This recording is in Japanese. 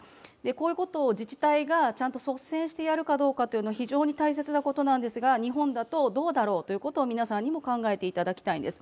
こういうことを自治体が率先してやるかが非常に大切なことなんですが、日本だと、どうだろうということを皆さんにも考えていただきたいんです。